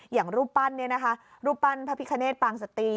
อย่างรูปปั้นเนี่ยนะคะรูปปั้นพระพิกเนธปังศตี